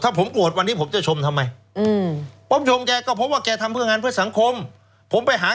ถ้าผมโกรธวันนี้ผมจะชมทำไม